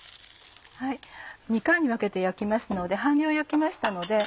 ２回に分けて焼きますので半量を焼きましたので。